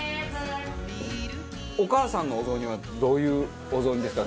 お義母さんのお雑煮はどういうお雑煮ですか？